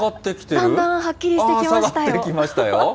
だんだんはっきりしてきまし下がってきましたよ。